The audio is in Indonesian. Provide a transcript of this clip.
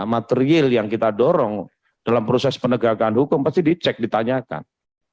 material yang kita dorong dalam proses penegakan hukum pasti dicek ditanyakan